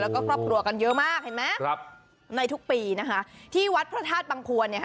และก็ครอบครัวกันเยอะมากในทุกปีที่วัดพระธาตุบังคลวร